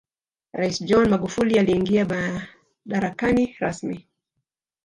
raisi john magufuli aliingia madarakani rasmi